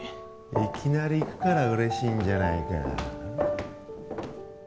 いきなり行くから嬉しいんじゃないか